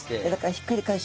ひっくり返しを。